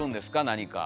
何か。